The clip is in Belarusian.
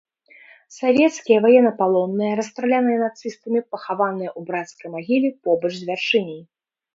Савецкія ваеннапалонныя, расстраляныя нацыстамі пахаваныя ў брацкай магіле побач з вяршыняй.